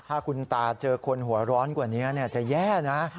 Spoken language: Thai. ถ้าคุณตาเจอคนหัวร้อนกว่านี้จะแย่นะ